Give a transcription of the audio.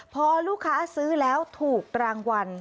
พอลูกค้าซื้อแล้วถูกรางวัล